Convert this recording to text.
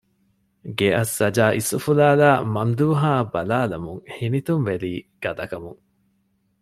ގެއަށް ސަޖާ އިސްއުފުލާލައި މަމްދޫހާއަށް ބަލާލަމުން ހިނިތުންވެލީ ގަދަކަމުން